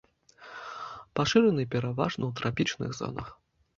Пашыраны пераважна ў трапічных зонах.